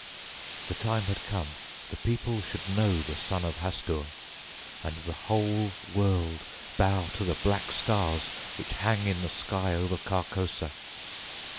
The time had come, the people should know the son of Hastur, and the whole world bow to the black stars which hang in the sky over Carcosa.